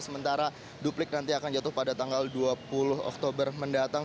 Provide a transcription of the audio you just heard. sementara duplik nanti akan jatuh pada tanggal dua puluh oktober mendatang